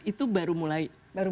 itu baru mulai